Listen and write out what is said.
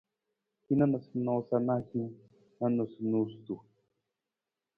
Hin noosanoosa na hiwung na noosunonosutu.